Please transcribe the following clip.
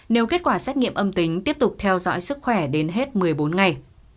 nếu kết quả xét nghiệm âm tính tiếp tục theo dõi sức khỏe đến hết một mươi bốn ngày